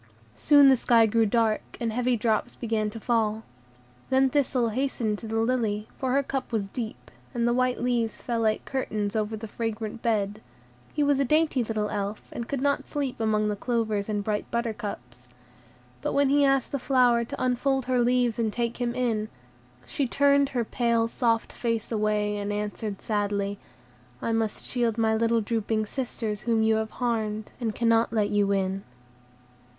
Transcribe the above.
Soon the sky grew dark, and heavy drops began to fall. Then Thistle hastened to the lily, for her cup was deep, and the white leaves fell like curtains over the fragrant bed; he was a dainty little Elf, and could not sleep among the clovers and bright buttercups. But when he asked the flower to unfold her leaves and take him in, she turned her pale, soft face away, and answered sadly, "I must shield my little drooping sisters whom you have harmed, and cannot let you in."